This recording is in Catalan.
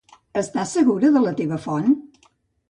Estàs segura de la teva font?